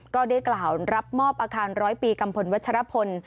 ก็ได้กล่าวรับมอบอาคารร้อยปีกัมพลวัชรพล